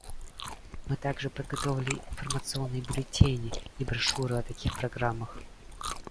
Мы также подготовили информационные бюллетени и брошюры о таких программах.